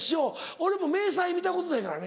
俺も明細見たことないからね